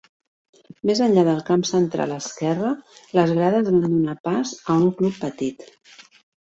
Més enllà del camp central esquerre, les grades van donar pas a un club petit.